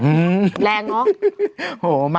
แรงน่ะ